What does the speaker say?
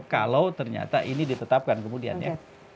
kalau ternyata ini ditetapkan kemudian ya